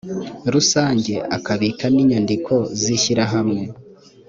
rusange akabika n’inyandiko z’ishyirahamwe